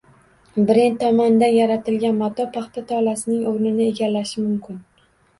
Brend tomonidan yaratilgan mato paxta tolasining o‘rnini egallashi mumkin